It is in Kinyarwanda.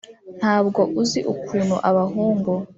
ntabwo uzi ukuntu abahungu